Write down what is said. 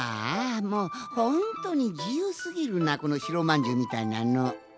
もうほんとうにじゆうすぎるなこのしろまんじゅうみたいなの。